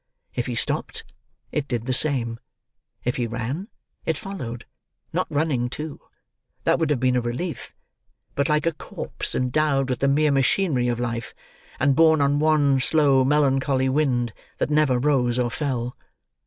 If he stopped it did the same. If he ran, it followed—not running too: that would have been a relief: but like a corpse endowed with the mere machinery of life, and borne on one slow melancholy wind that never rose or fell.